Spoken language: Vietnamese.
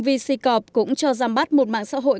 vc corp cũng cho ra mắt một mạng xã hội